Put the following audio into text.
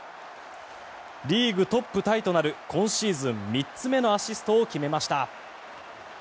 リーグトップタイとなる今シーズン３つ目のアシストを決めました。